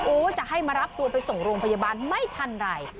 จะให้มารับตัวไปส่งโรงพยาบาลไม่ทันไร